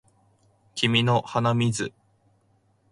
君の鼻水